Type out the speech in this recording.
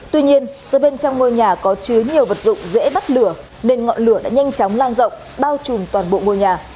tuy nhiên do bên trong ngôi nhà có chứa nhiều vật dụng dễ bắt lửa nên ngọn lửa đã nhanh chóng lan rộng bao trùm toàn bộ ngôi nhà